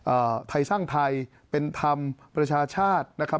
ไทยสร้างไทยเป็นธรรมประชาชาตินะครับ